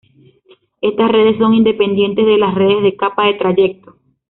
Estas redes son independientes de las redes de capa de trayecto.